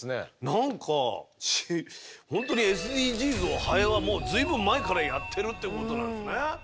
何か本当にＳＤＧｓをハエは随分前からやってるってことなんですね。